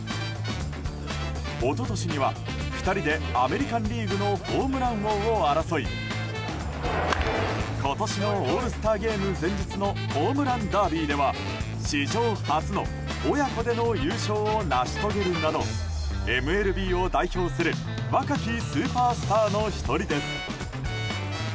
一昨年には２人でアメリカン・リーグのホームラン王を争い今年のオールスターゲーム前日のホームランダービーでは史上初の親子での優勝を成し遂げるなどＭＬＢを代表する若きスーパースターの１人です。